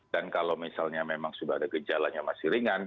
dan kalau misalnya memang sudah ada gejalanya masih ringan